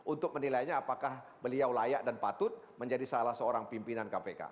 untuk menilainya apakah beliau layak dan patut menjadi salah seorang pimpinan kpk